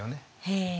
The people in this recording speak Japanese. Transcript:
へえ。